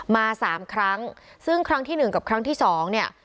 มาสามครั้งซึ่งครั้งที่หนึ่งกับครั้งที่สองเนี่ย